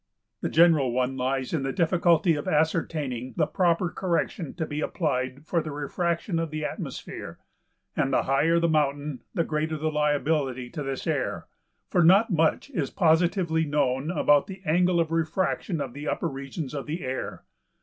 The general one lies in the difficulty of ascertaining the proper correction to be applied for the refraction of the atmosphere, and the higher the mountain the greater the liability to this error; for not much is positively known about the angle of refraction of the upper regions of the air.